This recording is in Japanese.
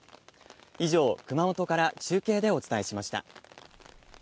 以上、熊本から中継でお伝えしました。